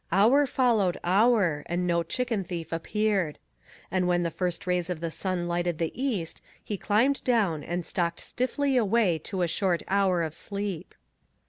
Hour followed hour and no chicken thief appeared. And when the first rays of the sun lighted the east he climbed down and stalked stiffly away to a short hour of sleep.